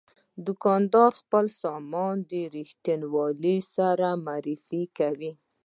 دوکاندار خپل سامان د رښتینولۍ سره معرفي کوي.